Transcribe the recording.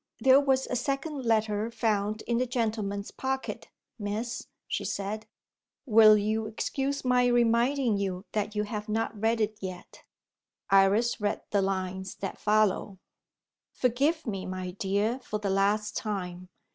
"There was a second letter found in the gentleman's pocket, Miss," she said. "Will you excuse my reminding you that you have not read it yet." Iris read the lines that follow: "Forgive me, my dear, for the last time.